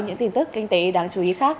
những tin tức kinh tế đáng chú ý khác